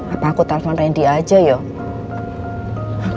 apa aku telpon randy aja yuk